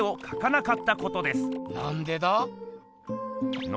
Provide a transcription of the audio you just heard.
なんでだ？